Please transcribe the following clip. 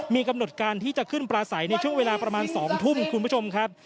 มีกำหนดการที่จะขึ้นปลาใสในช่วงเวลาประมาณ๒ทุ่มคุณผู้ชมครับ